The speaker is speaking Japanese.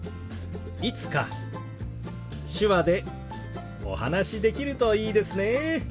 いつか手話でお話しできるといいですね。